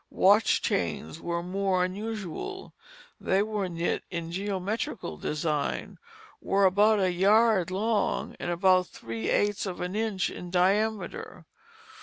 Watch chains were more unusual; they were knit in a geometrical design, were about a yard long and about three eighths of an inch in diameter.